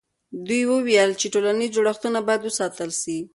دوی وویل چې ټولنیز جوړښتونه باید وساتل سي.